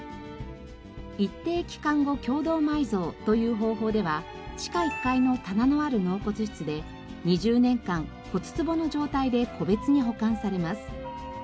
一定期間後共同埋蔵という方法では地下１階の棚のある納骨室で２０年間骨つぼの状態で個別に保管されます。